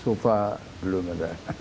so far belum ada